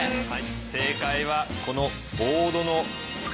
正解はこのボードの側面。